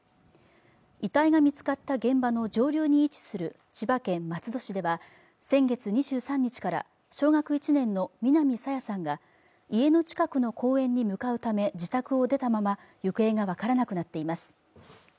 遺体が見つかった現場の上流に位置する千葉県松戸市では先月２３日から小学１年の南朝芽さんが家の近くの公園に向かうため自宅を出たまま行方が分からなくなっています。